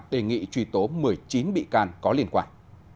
đề nghị truy tố một mươi chín bị can có liên quan